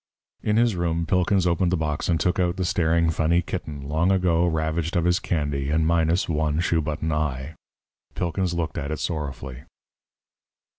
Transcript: In his room, Pilkins opened the box and took out the staring, funny kitten, long ago ravaged of his candy and minus one shoe button eye. Pilkins looked at it sorrowfully.